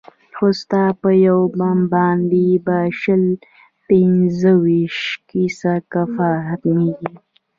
خو ستا په يو بم باندې به شل پينځه ويشت كسه كفار ختميږي.